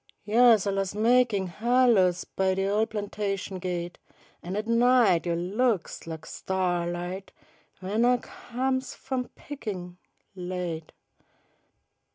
Yo's alius makin' halos By de ol* plantation gate, An' at night yo' Looks lak sta'light W'en ah comes f'um pickin', late.